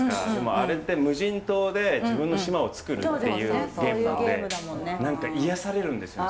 あれって無人島で自分の島を作るっていうゲームなんで何か癒やされるんですよね